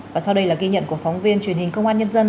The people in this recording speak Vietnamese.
và sau đây là ghi nhận của phóng viên truyền hình công an nhân dân